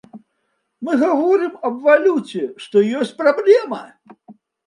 Мы гаворым аб валюце, што ёсць праблема.